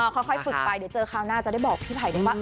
ค่อยฝึกไปเดี๋ยวเจอคราวหน้าจะได้บอกพี่ไผ่ด้วยว่า